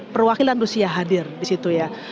perwakilan rusia hadir di situ ya